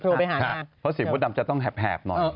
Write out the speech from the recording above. เพราะเสียงมดดำจะต้องแหบหน่อย